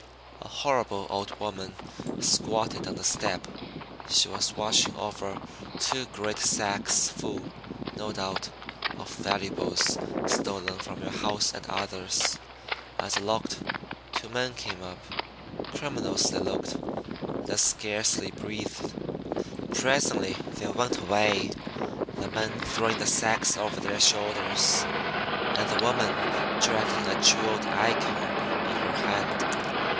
A horrible old woman squatted on the step. She was watching over two great sacks full, no doubt, of valuables stolen from your house and others. As I looked, two men came up. Criminals, they looked, and I scarcely breathed. Presently they went away, the men throwing the sacks over their shoulders, and the woman dragging a jeweled Icon in her hand.